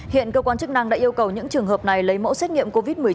hiện cơ quan chức năng đã yêu cầu những trường hợp này lấy mẫu xét nghiệm covid một mươi chín